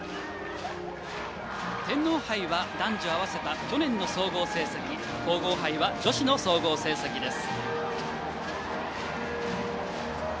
天皇杯は男女合わせた去年の総合成績皇后杯は女子の総合成績です。